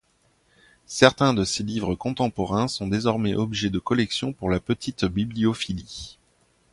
Certains de ces livres contemporains sont désormais objet de collection pour la petite bibliophilie.